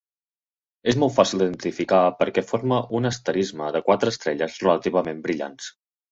És molt fàcil d'identificar perquè forma un asterisme de quatre estrelles relativament brillants.